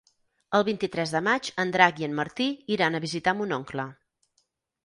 El vint-i-tres de maig en Drac i en Martí iran a visitar mon oncle.